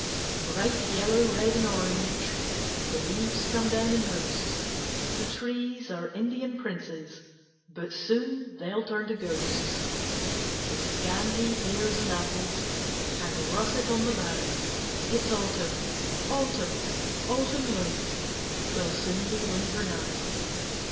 Bright yellow, red, and orange, The leaves come down in hosts; The trees are Indian Princes, But soon they'll turn to Ghosts; The scanty pears and apples Hang russet on the bough, It's Autumn, Autumn, Autumn late, 'Twill soon be Winter now.